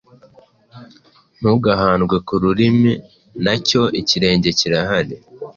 Ntugahandwe ku rurimi, nacyo ikirenge kirahari,